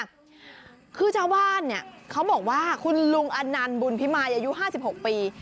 คือชาวบ้านเนี่ยเขาบอกว่าคุณลุงอนันต์บุญพิมายอายุ๕๖ปี